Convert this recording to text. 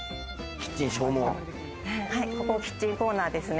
キッチンコーナーですね。